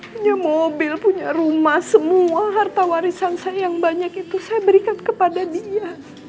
punya mobil punya rumah semua harta warisan saya yang banyak itu saya berikan kepada dia